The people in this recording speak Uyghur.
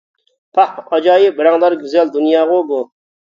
پاھ، ئاجايىپ رەڭدار گۈزەل دۇنياغۇ بۇ!